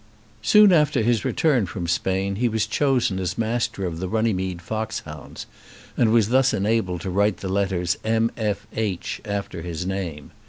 Soon after his return from Spain, he was chosen as Master of the Runnymede Fox Hounds, and was thus enabled to write the letters M.F.H. after his name.